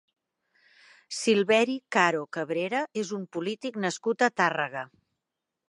Silveri Caro Cabrera és un polític nascut a Tàrrega.